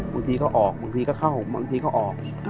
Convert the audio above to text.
บางทีเขาออกบางทีก็เข้าบางทีเขาออก